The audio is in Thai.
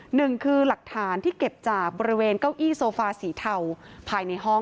หนึ่งคือหลักฐานที่เก็บจากบริเวณเก้าอี้โซฟาสีเทาภายในห้อง